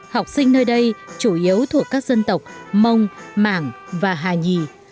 học sinh nơi đây chủ yếu thuộc các dân tộc mông mảng và hà nhì